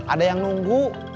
ada yang nunggu